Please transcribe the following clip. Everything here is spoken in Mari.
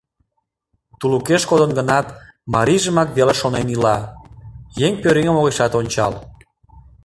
Тулыкеш кодын гынат, марийжымак веле шонен ила, еҥ пӧръеҥым огешат ончал.